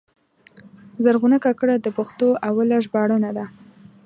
زرغونه کاکړه د پښتو اوله ژباړنه ده.